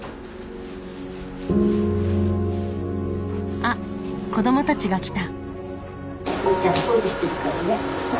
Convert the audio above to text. あっ子どもたちが来た。